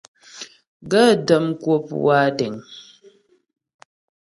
Gaə̌ də́ m kwə̂p wa deŋ.